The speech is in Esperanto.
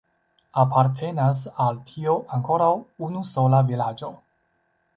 Apartenas al tio ankoraŭ unusola vilaĝo.